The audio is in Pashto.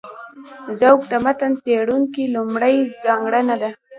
ذوق د متن څېړونکي لومړۍ ځانګړنه ده.